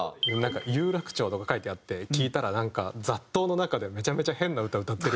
「有楽町」とか書いてあって聞いたらなんか雑踏の中でめちゃめちゃ変な歌歌ってる。